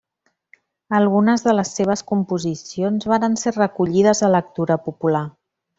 Algunes de les seves composicions varen ser recollides a Lectura Popular.